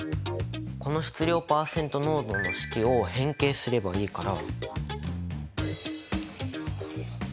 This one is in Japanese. この質量パーセント濃度の式を変形すればいいから。